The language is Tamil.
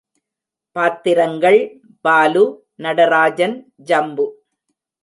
பாத்திரங்கள் பாலு, நடராஜன், ஜம்பு.